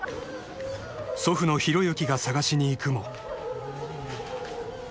［祖父の浩之が捜しに行くも］